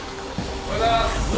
おはようございます。